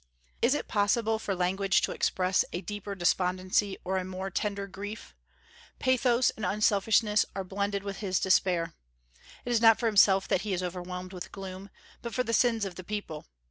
Is it possible for language to express a deeper despondency, or a more tender grief? Pathos and unselfishness are blended with his despair. It is not for himself that he is overwhelmed with gloom, but for the sins of the people.